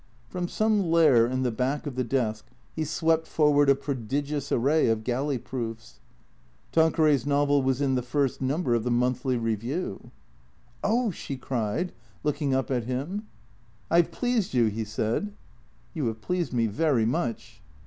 From some lair in the back of the desk he swept forward a prodigious array of galley proofs. Tanqueray's novel was in the first number of the " Monthly Review." " Oh !" she cried, looking up at him. " I 've pleased you ?" he said. " You have pleased me very much."